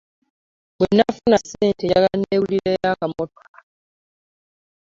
bwe nnaafuna ssente njagala nneegulireyo akamotoka.